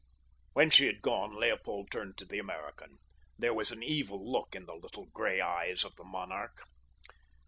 When she had gone Leopold turned to the American. There was an evil look in the little gray eyes of the monarch.